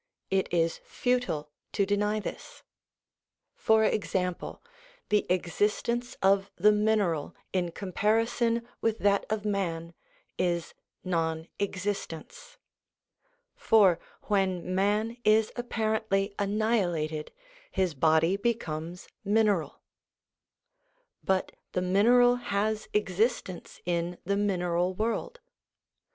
It is futile to deny this. For example, the existence of the mineral in com parison with that of man is non existence; for when man is apparently annihilated, his body becomes mineral ; but the mineral has existence in the mineral world.